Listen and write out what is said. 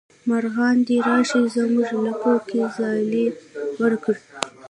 مارغان دې راشي زمونږ لپو کې ځالې وکړي